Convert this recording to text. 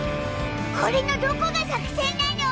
これのどこが作戦なの？